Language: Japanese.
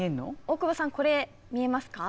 大久保さんこれ見えますか？